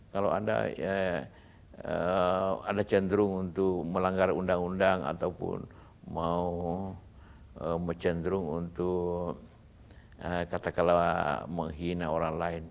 kalau anda cenderung untuk melanggar undang undang ataupun mau cenderung untuk katakanlah menghina orang lain